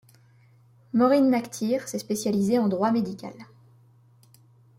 Maureen McTeer s'est spécialisée en droit médical.